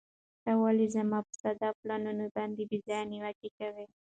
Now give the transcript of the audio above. ته ولې زما په ساده پلانونو باندې بې ځایه نیوکې کوې؟